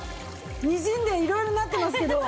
にじんで色々なってますけど。